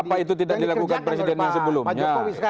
apa itu tidak dilakukan presiden yang sebelumnya